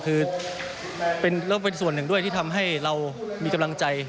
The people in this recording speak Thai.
คือเราเป็นส่วนหนึ่งด้วยที่ทำให้เรามีกำลังใจ